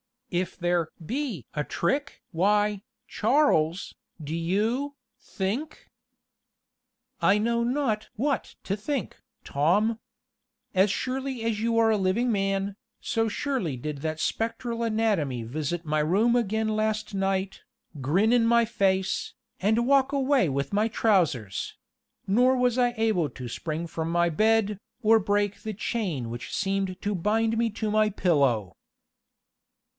"If there be a trick? why, Charles, do you, think " "I know not what to think, Tom. As surely as you are a living man, so surely did that spectral anatomy visit my room again last night, grin in my face, and walk away with my trousers; nor was I able to spring from my bed, or break the chain which seemed to bind me to my pillow."